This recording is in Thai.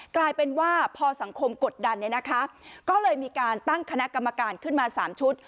กลายเป็นว่าพอสังคมกดดันเนี่ยนะคะก็เลยมีการตั้งคณะกรรมการขึ้นมา๓ชุด